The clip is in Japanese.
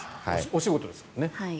お仕事ですもんね。